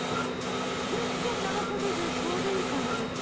全然長袖でちょうどいい感じです。